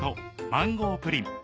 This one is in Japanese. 「マンゴープリン」